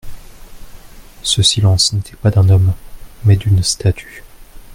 Ce silence n'était pas d'un homme, mais d'une statue.